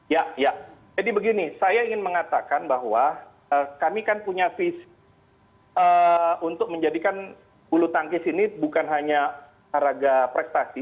ya ya jadi begini saya ingin mengatakan bahwa kami kan punya visi untuk menjadikan bulu tangkis ini bukan hanya harga prestasi